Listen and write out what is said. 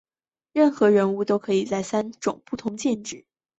任何人物都可以在三种不同剑质中选择其一。